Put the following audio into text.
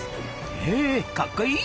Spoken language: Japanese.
へかっこいい！